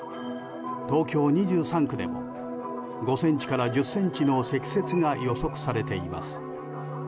東京２３区でも５ｃｍから１０ｃｍの積雪が予測されています。